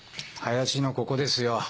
林のここですよ。